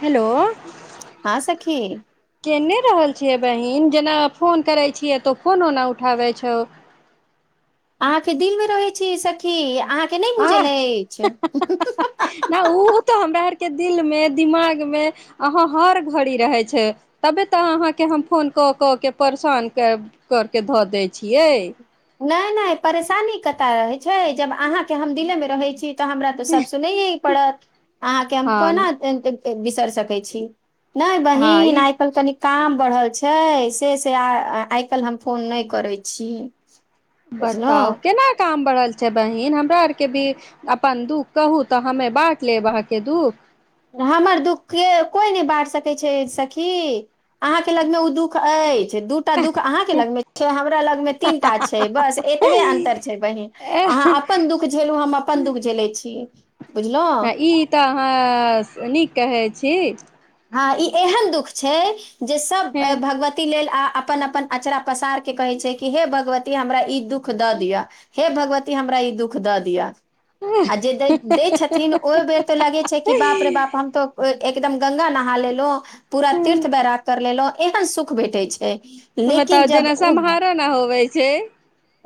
Hello हाँ सखी। केने रहल छियै बहिन? जेना फोन करै छियै तो फोनो नै उठाबै छहो। अहाँके दिलमे रहै छी सखी आ आँय, न ऊ तऽ हमरा आर के दिल मे दिमाग मे अहाँ हर घड़ी रहै छै तबे तऽ अहाँके हम फोन कऽ कऽ के परेशान कर के धऽ दै छियै। नहि नहि परेशानी कत रहै छै जब अहाँ के हम दिल्े मे रहै छी। तऽ हमरा तऽ सब सुनय पड़त अहाँके हम हँ कोना। ए बिसर सकै छी। नहि हँ बहिन, ई आइ-काइल्ह तनि काम बढ़ल छै से से आ आइ काल्हि हम फोन नहि करै छी। बताउ बुझलहुँ केना काम बढ़ल छै बहिन? हमरा आरके भी अपन दुःख कहू तऽ हमे बाँट लेब अहाँके दुःख। हमर दुःखके कोइ नहि बाँट सकै छै सखी। अहाँके लगमे ओ दुःख अछि। दू टा दु़ख अहाँके लगमे छै, हमरा लगमे तीन टा छै, बस एतबे अन्तर छै बहिन। एह अहाँ अपन दुःख झेलू हम अपन दुःख झेलै छी। बुझलहुँ? ई तऽ अहाँ नीक कहैत छी। हँ, ई एहन दुख छै जे सब अ हें भगवती लेल आ अपन अपन अँचरा पसार के कहै छै कि हे भगवती हमरा ई दुःख दऽ दिअ, हे भगवती हमरा ई दुःख दऽ दिअ। आ जे दै दै छथिन, ओहि बेर तऽ लगै छै कि बाप रे बाप हम तऽ ओइ एकदम गङ्गा नहा लेलौं। पूरा तीर्थ बैराग कर लेलौं। एहन सुख भेटै छै। लेकिन बताउ जब जेना ओ सम्हारो ना होवै छै।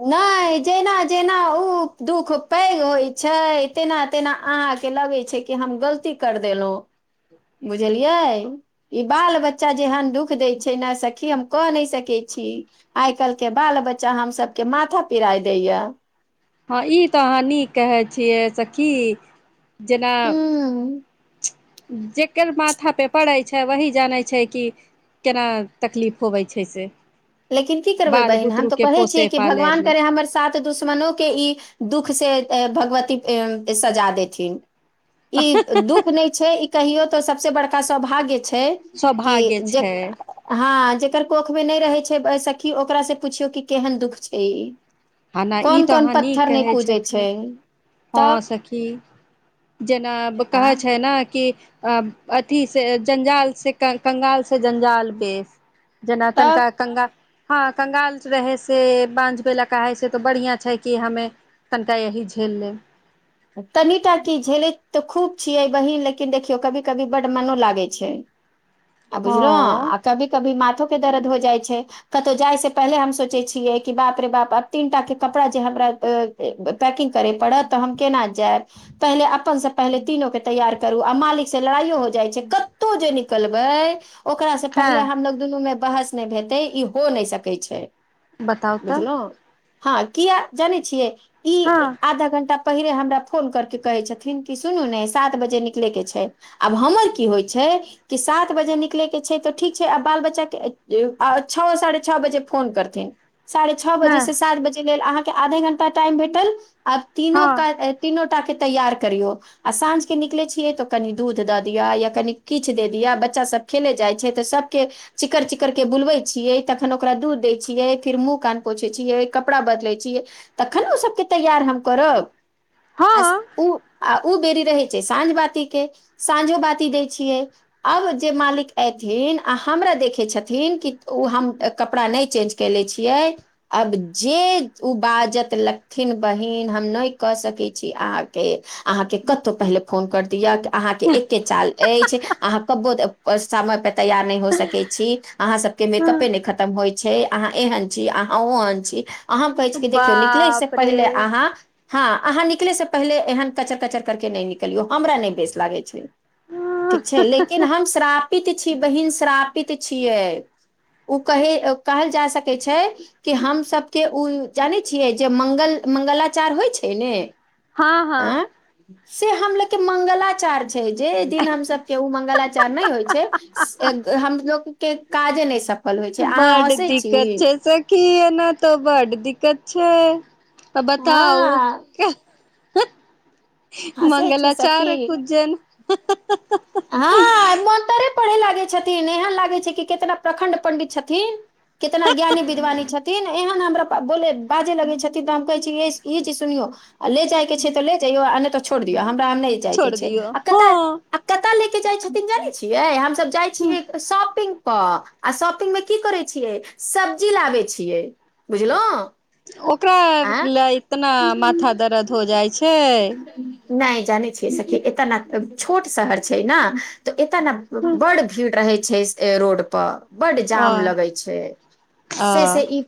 नहि, जेना-जेना ऊ दुःख पैघ होइ छै, तेना-तेना अहाँके लगै छै कि हम गलती कर देलहुँ। बुझलियै? ई बाल-बच्चा जेहन दुःख दै छै ने सखी, हम कह नहि सकै छी। आइ काल्हिके बाल-बच्चा हमसभ के माथा पेराय दैए। हँ, ई तऽ अहाँ नीक कहै छियै सखी। जेना हूँ जेकर माथा पे पड़ै छै, वही जानै छै कि केना तकलीफ होवै छै से। लेकिन की करबै बाल बहिन। हम तऽ बुतरूके कहै छियै पोसे कि भगवान पालयमे करय हमर सात दुश्मनोके ई दुःखसे अ भगवती अ सजा देथिन। ई दुःख नहि छै। ई कहियौ तऽ सब से बड़का सौभाग्य छै। छै, कि सौभाग्य जक् छै हँ जक् कर कोखमे नहि रहै छै से ब् सखी ओकरा से पुछियौ कि केहन दुःख छै ई। हना ई कोन तऽ कोन अहाँ निक पत्थर नहि कहै पूजै छै छथिन हँ तब सखी। जेना आँ कहै छैय नै कि अ अथी से जंजाल से कंगाल से जंजाल बेस। जेना तनका तब कंगा हँ, कंगाल रहै से बाँझ बेलक कहाइसे तऽ बढ़िआँ छै कि हमे कनि टा येही झेल लेब। तनिटा की झेलैत तऽ खूब छियै बहीन लेकिन देखियौ कभी कभी बड मनो लागै छैय। आब बुझलो हँ आ कभी कभी माथो के द हो जाइ छै कतहु जाइ से पहिले हम सोचै छियै कि बाप रे बापब तीनटा के कपड़ा जे हमरा - पैकिंग करे पड़त त हम केना जायब पहिले अपन से पहिले तीनोक के तैयार करू आ मालिक से लड़ाइयो हो जाइ छैय, कत्तो जे निकलबै ओकरा से पहिले हँ हमलोग दुनू मे बहस नैह हेतै ई हो नैह सकै छैय। बताउ त हँ किया जानै छियै हँ ई - आधा घंटा पहिले हमरा फोन करके कहै छथिन कि सुनू ने सात बजे निकलैके छैय, आब हमरा की होइ छैय कि सात बजे निकलैके छै तऽ ठीक छै आब बाल बच्चाके छओ साढ़े छओ बजे फोन करथिन। साढ़े छ हँ बजे से सात बजे लेल अहाँक आधे घण्टा टाइम भेटल आब तीनो हँ काइल इ तीनो टाके तैयार करियौ आ साँझके निकलैत छियै तऽ कनि दूध दऽ दिअ या कनि किछु दऽ दिअ बच्चा सभ खेले जाइत छैय तऽ सभके चिकर चिकरके बुलबैत छियै, तखन ओकरा दूध दै छियै, फेर मुँह कान पोछै छियै, कपड़ा बदलैत छियै, तखन ओ सभके तैयार हम करब। हँ [unintelligible] ओ बेरी रहै छैय साँझ बाती के साँझो बाती दै छियै अब जे मालिक एथिन आ हमरा देखे छथिन कि ओ हम कपड़ा नहि चेंज केले छियै अब जे ओ बाजत लथिन बहिन हम नहि कऽ सकै छी अहाँके अहाँके कतहु पहिले फोन कर दिअ अहाँके एके चाल ऐछ अहाँ कबो समय पर तैयार नैय हो सकै छी। अहाँ सभके हँ मेकअपे नहि खतम होइ छैय, अहाँ एहन छी अहाँ ओहन छी अहाँ कहै छी कि देखियौ निकलै से बाप रे पहिले अहाँ हँ अहाँ निकले से पहिले एहन कचर कचर करके नहि निकलियौ, हमरा नहि बेस लागै छैय। ठीक छैय लेकिन हम श्राप इ त छी बहिन श्रापित छियै ओ कह कहल जा सकै छैय कि हम सबके ओ जानै छियै जे मंगल मंगलाचार होइ छैय से ने हँ हँ से हमलोग के मंगलाचार छैय जे दिन हम सब के ओ मंगलाचार नहि होइ छैय हमलोग के काजे नहि स बड दिक्कत छैय सखी ये। ने तऽ बड दिक्कत छैय। त बताउ हँ [unintelligible] हँसै मंगलाचार कुज्जन [unintelligible] हाँ मनतरे पढ़े ला गै छथिन, एहन लागे छै कि कितना प्रखंड पंडित छथिन, कितना ज्ञानी, विद्वानी छथिन, एहन हमरा बा बोले, बाजे लगे छथिन तऽ हम कहै छी ये ई चीज सुनयो, अ ले जाय के छै ते ले जैयो आ ना ते छोड़ दियौ हम रा नै जाय के छोड़ छै दियौ आ कता हँ कतऽ ले के जाइ छथिन जानै छियै हम त जाय छियै शॉपिंग क आ शॉपिंग मे की करै छियै, सब्जी लाबे छियै बुझलौ। ओकरा लै इतना माथा दरद हो जाय छै। नै जानै छिये सखी, एता ने ए छोट शहर छै ना तऽ एता न बड़ भीड़ रहै छै ए रोड पर। बड जाम लगै वाह छै, आ से से ई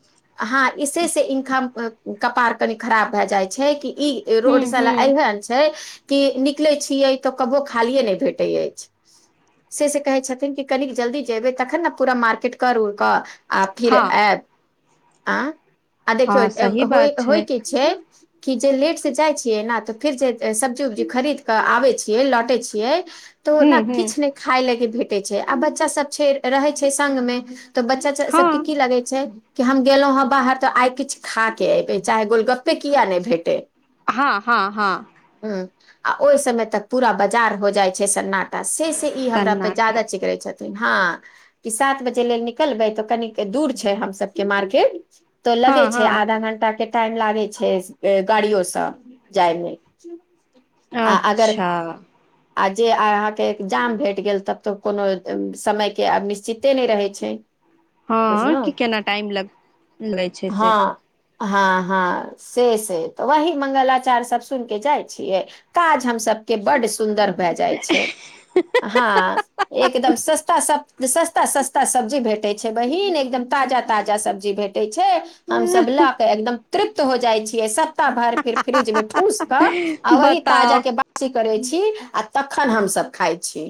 हाँ इसी से इनका ए कपाड़ कनि खराब भाए जाय छै कि ई हूं रोड साला हूं एहन छै। की निकले छीयै त कबो खालिये नै भेटै एछ, से से कहै छथिन कि कनिक जल्दी जेबै तखन ने पूरा मार्केट कर उड़ कऽ आ फिर हँ आएब। आं। आ देखियौ हँ सही ए होय, बात होय की छै। की जे लेट से जाय छियै ना तऽ फिर जे ए सब्जी-उब्जी खरीद के आबे छियै, लौटे छियै तो हूं ना हूं किछ नै खाय लगे भे टे छै, आ बच्चा सब छै, रहै छै संग मे। तऽ बच्चा [unintelligible] सबके हँ की लगै छै। कि हम गेलौ हय बाहर तऽ आय किछ खाय के एबे, चाहे गोलगप्पे किया ने भेटै। हाँ-हाँ-हाँ। आ ओय समय तक पूरा बजार हो जाय छै सन्नाटा। से से ई हमरा पे जादा सन्नाटा चिकरे छै। हाँ कि सात बजे लेल निकलबै तऽ कनिक दूर छै हम सबके मार्केट। तो हँ लगै छै हँ आधा घंटा के टाइम लागै छै, ए गाड़ियो सै जाय मे। आ अगर अच्छा। आ जे अहाँ के एक जाम भेट गेल तब तऽ कोनो ए समय के आब निश्चिते नै रहै छै। हाँ कि बुझलहुँ केना टाइम लग लै छै से। हाँ हाँ से से तऽ वही मंगलाचार सब सुन के जाय छियै, काज हम सबके बड सुन्दर भाए जाय छै, हाँ एकदम सस्ता जे सस्ता-सस्ता सब्जी भेटे छै बहिन, एगदम ताजा-ताजा सब्जी भेट टे छै, हम सब ला के एगदम तृप्त हो जाय छियै सब ता भर फिर फ्रिज में ठूस के आ वही ताजा बताउ के बासी करै छी। की आ तखन हम सब खाय छी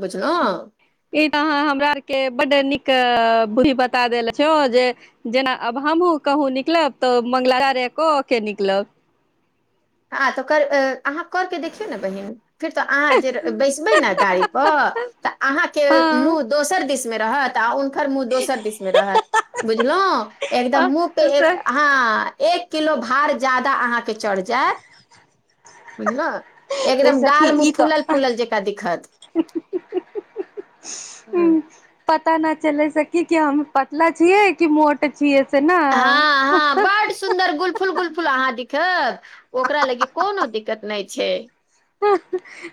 बुझलौ। ई तऽ अहाँ हमरा आर के बड नीक ए बुद्धि बता देलो छो जे जेना आब हमहूँ कहूँ निकलब तऽ मंगलाचारे क के निकलब। आ तो कर ए अहाँ करके देखियौ न बहिन। फिर तो अहाँ जे बैसबै नै गाड़ी प तऽ अहाँ के हँ मुँह दोसर दिस मे रहत आ उन कर मुह दोसर दिस मे रहत बुझलौ, एगदम मुह पे एक हाँ, ए किलो भार जादा अहाँ के चढ़ जाय बुझलौ, ए एकदम सखी गाल मुंह ई तऽ फुलल-फुलल जका दिखत हाँ। पता ना चलै सखी कि हम पतला छियै कि मोट छियै। से ने हाँ हाँ बड सुन्दर गुलफुल-गुलफुल अहाँ दि खे ओकरा लगै कोनो दिक्कत नै छै।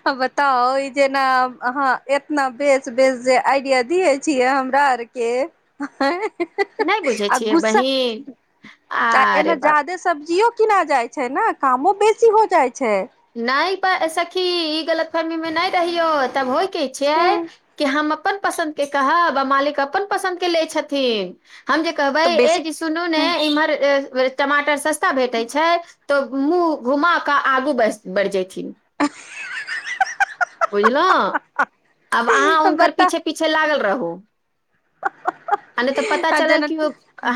अ बताउ ई जेना अहाँ एतना बेस बेस जे आइडिया दियै छियै हमरा आर के हैं। नै बुझै छियै बहिन, एना आरे बाप जादे सब्जियो किना जाय छै ने कामो बेसी हो जाय नै। प सखी ई गलतफहमी मे नै रहियौ तब होय की हँ छैै कि हम अप अपन पसन्द के कहब आ मालिक अपन पसन्द के लै छथिन। हम जे कहबै तऽ ए बेसी जी सुनू हँ नै इम्हर ए वे टमाटर सस्ता भेटे छै तो मुंह घुमा के आगु बैस बढ़ जैथिन। बुझलौ, आब अहाँ हुनकर बता पीछे-पीछे लागल र हु। [unintelligible] आ नै तऽ पता आ चलल जेना कि ओ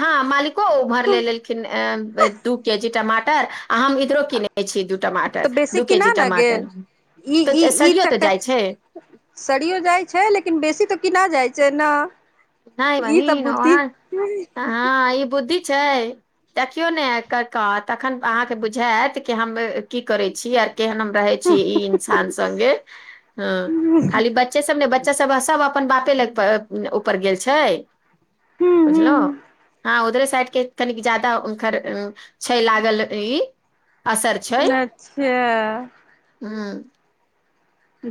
हाँ मालिको उम्हर ले लेल खिन एं ब दू के जी टमा पर। तऽ बेसी दू के किना जी ने गेल टमाटर ई ई तऽ ई सड़ियो तऽ चक्कर जाइ छै सड़ीयो जाय छै, लेकिन बेसी तऽ किना जाय जेना नै बहिन ओहाए हाँ ई बुद्धि छै, देखियौ ने [unintelligible] तखन अहाँ के बुझाएत कि हम की करै छी आर केहेन हम रहै छीये, ई इंसान संगे हां खाली बच्चे सब ने ब बच्चा सब, सब अपन बापे लग प अ उ पर गेल छै। हू हू बुझलौ हाँ उधरे साइड। के तनिक जादा उनकर उम्म छै लागल ई। असर छै अच्छा। [unintelligible]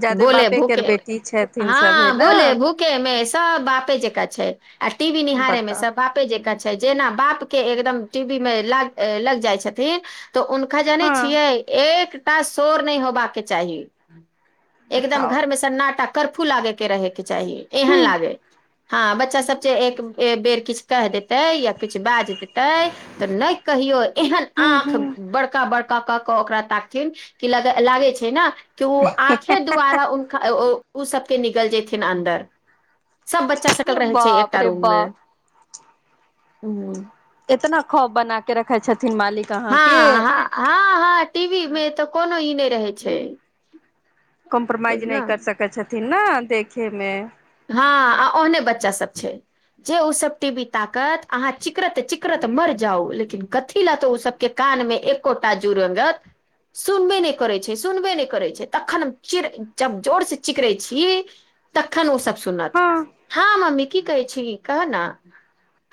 जादे बोले, बापे केर भूकेे बेटी छथिन सभे हाँ ने बोले, भूकेे मे सब बापे जका छै। आ टी वी निहारे मे बताउ सब बापे जेका छै, जेना बाप के एकदम टी वी मे लाग ए लग जाय छथिन। तो उनका जानै हँ छियै एक टा शोर नै होबा के चाही। एगदम बताउ घर मे सन्नाटा। करफू लागै के रहै। के चाही, हू एहन लागै। हाँ बच्चा सब जे एक ए बेर किछ कैह देते या किछ बाज देते ते नै कहियो। एहन हू आँख हू बड़का बड़ का का कऽ ओकरा ताकथिन कि लगे लागै छै ना कि उ आ खे द्वारा उनका अ ओ ओ उ सबके निगल जेथिन अन्दर। सब बच्चा सकल रहै छै बाप एकटा रे रूम मे। बाप ह्म्म। एतना खौप बना के रखे छ हाँ-हाँ-हाँ-हाँ टी वी मे ते कोनो ई रहै छै। कॉम्परमाइज नै बुझलहु कर सकै छ थिन ना देखे मे। हाँ आ ओहने बच्चा सब छै जे उ सब टी वी ताकत, अहाँ चिकरत चिकरत मर जाउ, लेकिन कथी लाए तऽ उ सबके कान मे एकोटा जु रेंगत सुनबै नै करै छै, सुनबै नै करै छै, तखन चीर जब जोर से चिकरै छी, तखन उ सब सुनत हँ हाँ मम्मी की कहै छी कहा नै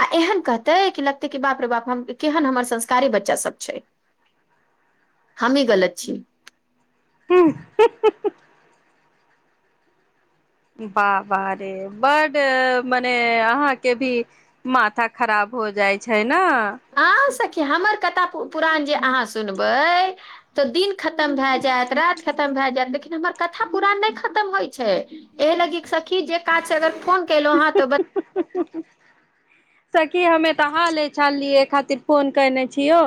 अ एहन कहतै कि लगतै कि बाप रे बाप हम केहन हमर संस्कारी बच्चा सब छै, हमी गलत छी। [unintelligible] वाह वाह रे, बड मने अहांके भी माथा खराब हो जाइ छै। ना। खी, हमर कथा पुरान जे अहां सुनबै त दिन खतम भए जायत, राति खतम भए जायत, लेकिन हमर कथा पुरान नहि खतम होइ छै, एहि लगे सखी जे काज अगर फोन कलौ हाँ ते ब सखी हमे त हालै चाल लियै खातिर फोन केने छियौ,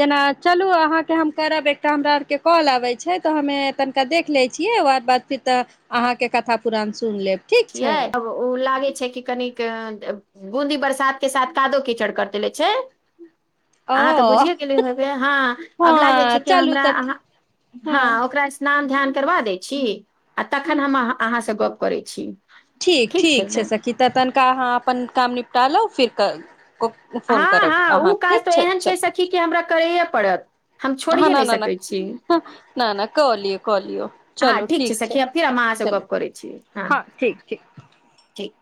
जेना चलु अहांके हम करब एकटा हमरा आरके कॉल आबै छै त हमे तनिका देख लै छियै ओ बाद फिर त अहांके कथा पुरान सुन लेब। ठीक कियै, छै ओ ओ लागै छै कि कनिक बुंदी बरसात के साथ कादो कीचड़ कर देले छै। अहां त ओ बुझिये गेल हेबै, हां, अगला जे हँ छै कि चलू हमरा तऽ अहां, - हँ हां ओकरा स्नान धेयान करबा दै छी आ तखन हम अहां अहांसे गप करै छी। ठीक ठीक छै सखी, त तनिका अहां अपन काम नि पटा लौ फिर क फोन हां करब हां, अहाँ उ काज ठीक त एहन छै सखी कि हमरा करैए पड़त। हम हां, छोड़िए न नहि न न सकैत छी न, न न क लियौ क लियौ, हँ चलु ठीक छै सखी आब फेर हम अहाँसँ चलु, गप्प करैत छी हँ हां, ठीक ठीक। ठीक